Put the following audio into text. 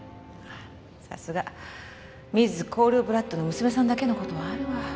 ああさすがミズ・コールドブラッドの娘さんだけの事はあるわ。